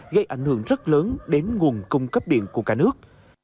gây ảnh hưởng rất lớn đến nguồn cung cấp điện của cả nước